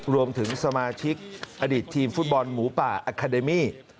รวมถึงสมาชิกอดีตทีมฟุตบอลหมูป่าอาคาเดมี่